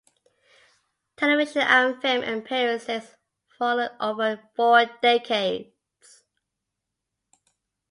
Television and film appearances followed over four decades.